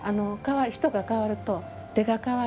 人が代わると出が変わる。